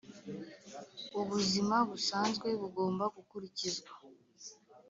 ubuzima busanzwe bugomba gukurikizwa.